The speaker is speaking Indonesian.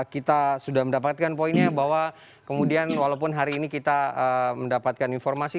kita sudah mendapatkan poinnya bahwa kemudian walaupun hari ini kita mendapatkan informasi